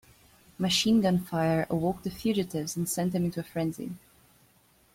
Machine gun fire awoke the fugitives and sent them into a frenzy.